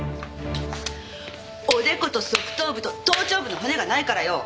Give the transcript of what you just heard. おでこと側頭部と頭頂部の骨がないからよ。